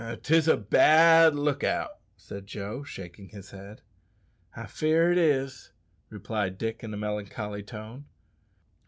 "'Tis a bad look out," said Joe, shaking his head. "I fear it is," replied Dick in a melancholy tone.